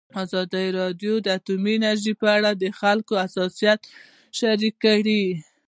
ازادي راډیو د اټومي انرژي په اړه د خلکو احساسات شریک کړي.